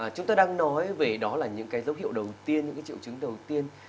chúng tôi đang nói về đó là những cái dấu hiệu đầu tiên những cái triệu chứng đầu tiên